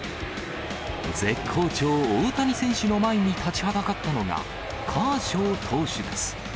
絶好調、大谷選手の前に立ちはだかったのが、カーショウ投手です。